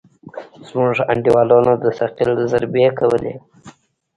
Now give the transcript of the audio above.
زموږ انډيوالانو د ثقيل ضربې کولې.